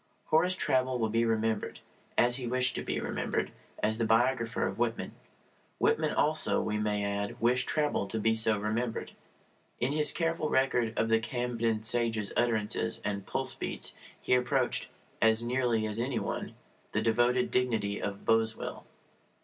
Horace Traubel will be remembered, as he wished to be remembered, as the biographer of Whitman. Whitman also, we may add, wished Traubel to be so remembered. In his careful record of the Camden sage's utterances and pulse beats he approached (as nearly as any one) the devoted dignity of Boswell.